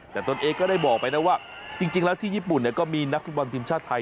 แต่ตนเองก็ได้บอกไปนะว่าจริงแล้วที่ญี่ปุ่นก็มีนักฟุตบอลทีมชาติไทย